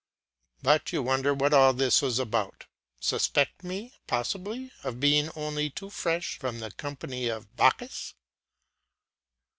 But you wonder what all this is about suspect me, possibly5, of being only too fresh from the company of Bacchus.